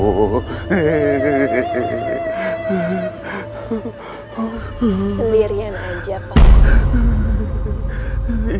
sendirian aja pak